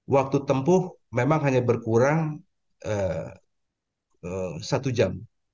waktu tempuh memang hanya berkurang satu jam